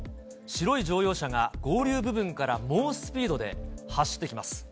白い乗用車が合流部分から猛スピードで走ってきます。